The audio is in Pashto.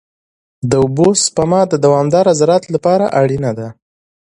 د اوبو سپما د دوامدار زراعت لپاره اړینه ده.